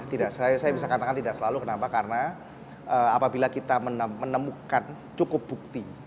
tidak saya bisa katakan tidak selalu kenapa karena apabila kita menemukan cukup bukti